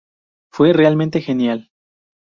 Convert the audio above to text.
Fue realmente genial.